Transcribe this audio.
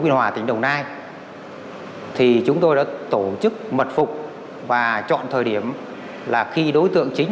quy hòa tỉnh đồng nai thì chúng tôi đã tổ chức mật phục và chọn thời điểm là khi đối tượng chính